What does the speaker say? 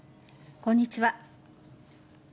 こんにちは。